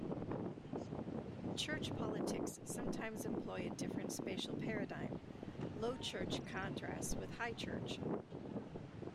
Church politics sometimes employ a different spatial paradigm: Low Church contrasts with High Church.